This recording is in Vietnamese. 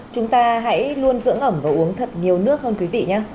chúng ta hãy luôn dưỡng ẩm và uống thật nhiều nước hơn quý vị nhé